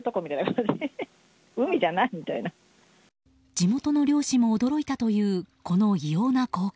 地元の漁師も驚いたというこの異様な光景。